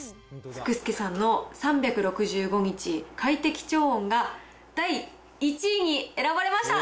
福助さんの３６５日快適調温が第１位に選ばれました。